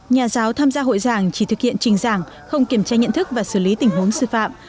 nhà giáo tham gia hội giảng chỉ thực hiện trình giảng không kiểm tra nhận thức và xử lý tình huống sư phạm